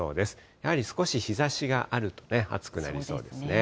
やはり少し日ざしがあるとね、暑くなりそうですね。